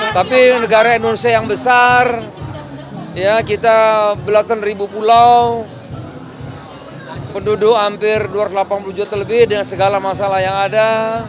tapi negara indonesia yang besar kita belasan ribu pulau penduduk hampir dua ratus delapan puluh juta lebih dengan segala masalah yang ada